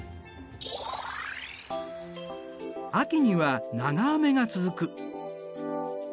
秋には長雨が続く。